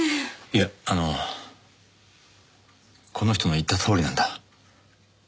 いやあのこの人の言ったとおりなんだ。